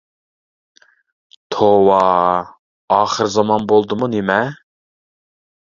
توۋا، ئاخىر زامان بولدىمۇ نېمە؟!